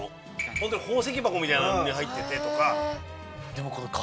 宝石箱みたいなのに入っててとか。